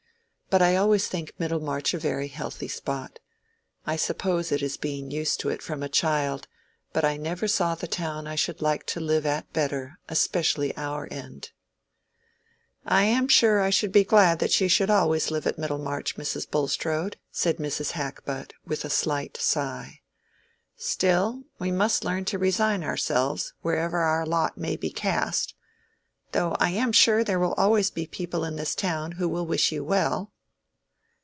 But I always think Middlemarch a very healthy spot. I suppose it is being used to it from a child; but I never saw the town I should like to live at better, and especially our end." "I am sure I should be glad that you always should live at Middlemarch, Mrs. Bulstrode," said Mrs. Hackbutt, with a slight sigh. "Still, we must learn to resign ourselves, wherever our lot may be cast. Though I am sure there will always be people in this town who will wish you well."